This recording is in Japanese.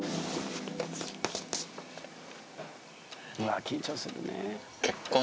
うわあ緊張するね。